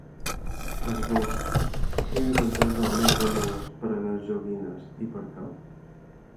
Esbós: Quin és el tresor més valuós per a les joguines i per què?